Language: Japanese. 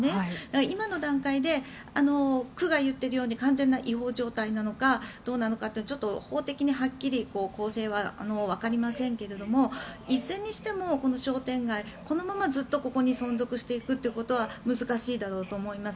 今の段階で区が言っているように完全な違法状態なのかどうかはちょっと法的にはっきり構成はわかりませんがいずれにしても、この商店街はこのままずっとここに存続していくということは難しいだろうと思います。